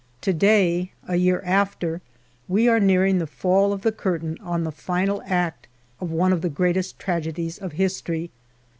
To day, a year after, we are nearing the fall of the curtain on the final act of one of the greatest tragedies of history.